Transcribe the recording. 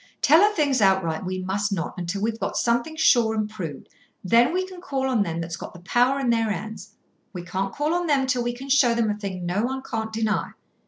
Tell her things outright we must not, until we've got something sure and proved. Then we can call on them that's got the power in their hands. We can't call on them till we can show them a thing no one can't deny.